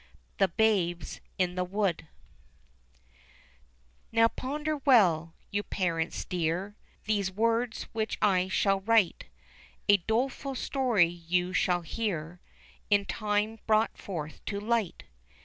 THE BABES IN THE WOOD NOW ponder well, you parents dear, These words which I shall write ; A doleful story you shall hear, In time brought forth to light.